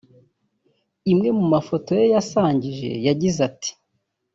Imwe mu mafoto ye yasangije yagize ati